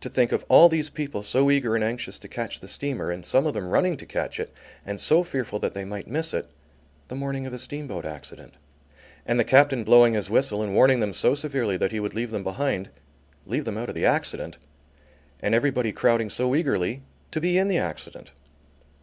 To think of all these people so eager and anxious to catch the steamer, and some of them running to catch it, and so fearful that they might miss it, the morning of a steamboat accident. And the captain blowing his whistle, and warning them so severely that he would leave them behind, leave them out of the accident! And everybody crowding so eagerly to be in the accident.